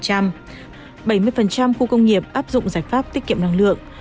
các ngành công nghiệp áp dụng giải pháp tiết kiệm năng lượng